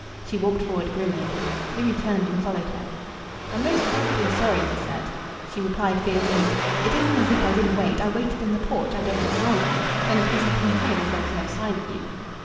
She walked forward grimly. Louis turned and followed her. "I'm most frightfully sorry," he said. She replied fiercely "It isn't as if I didn't wait. I waited in the porch I don't know how long. Then of course I came home, as there was no sign of you."